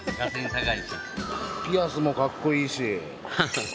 ピアスもかっこいいし。